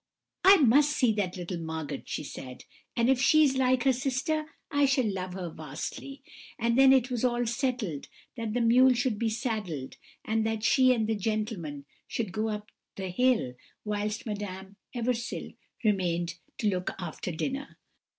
"'I must see that little Margot,' she said, 'and if she is like her sister, I shall love her vastly;' and then it was settled that the mule should be saddled, and that she and the gentlemen should go up the hill, whilst Madame Eversil remained to look after dinner.